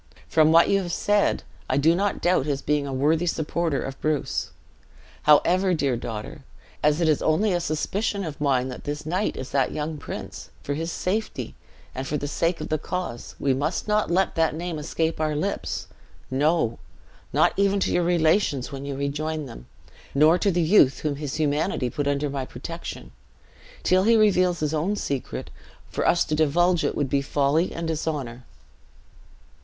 From what you have said, I do not doubt his being a worthy supporter of Bruce. However, dear daughter, as it is only a suspicion of mine that this knight is that young prince, for his safety, and for the sake of the cause, we must not let that name escape our lips; no, not even to your relations when you rejoin them, nor to the youth whom his humanity put under my protection. Till he reveals his own secret, for us to divulge it would be folly and dishonor."